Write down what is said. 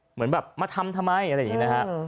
เหมือนแบบมาทำทำไมอะไรอย่างนี้นะฮะ